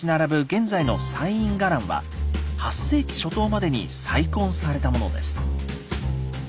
現在の西院伽藍は８世紀初頭までに再建されたものです。